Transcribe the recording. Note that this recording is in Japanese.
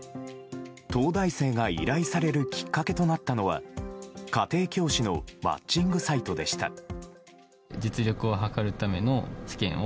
東大生が依頼されるきっかけとなったのは家庭教師のマッチングサイトでした。